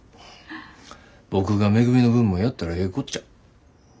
僕がめぐみの分もやったらええこっちゃ。